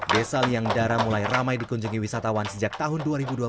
desa liangdara mulai ramai dikunjungi wisatawan sejak tahun dua ribu dua belas